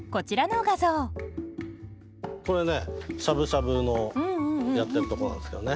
これねしゃぶしゃぶのやってるとこなんですけどね。